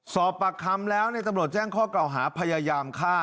สอบปากคำแล้วตำรวจแจ้งข้อกล่าวหาพยายามฆ่า